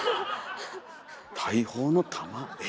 大砲の弾？